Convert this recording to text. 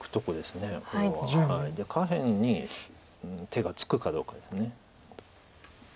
下辺に手がつくかどうかです。